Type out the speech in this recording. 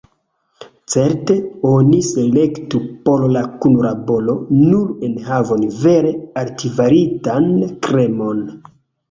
Certe, oni selektu por la kunlaboro nur enhavon vere altkvalitan, “kremon”.